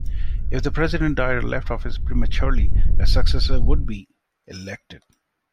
If the president died or left office prematurely a successor would be elected.